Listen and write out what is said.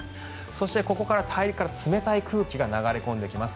そして、ここから大陸から冷たい空気が流れ込んできます。